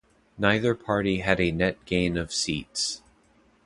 Neither party had a net gain of seats.